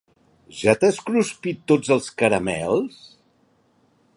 Ja t'has cruspit tots els caramels?